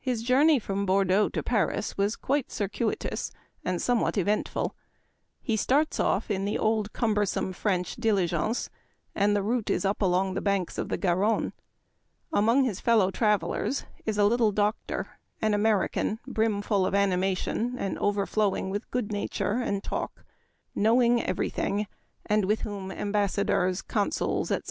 His journey from Bordeaux to Paris was quite circuitous, and somewhat eventful. He | starts off in the old, cumbersome French " dili gence," and the route is up along the banks of the Garonne. Among his fellow travelers is a " little doctor," an American, brimful of anima tion, and overflowing with good nature and talk, knowing every thing, and with whom embassa dors, consuls, etc.